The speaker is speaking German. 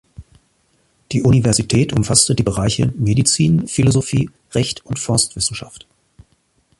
Die Universität umfasste die Bereiche Medizin, Philosophie, Recht und Forstwissenschaft.